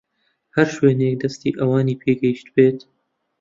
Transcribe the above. هەر شوێنێک دەستی ئەوانی پێگەیشتبێت